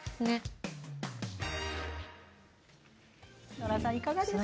ノラさん、いかがですか？